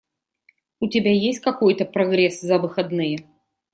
У тебя есть какой-то прогресс за выходные?